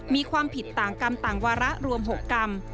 มีความผิดต่างกรรมต่างวาระรวม๖กรรม